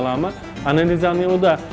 lama analisanya udah